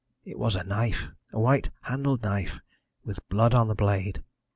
It was a knife a white handled knife, with blood on the blade.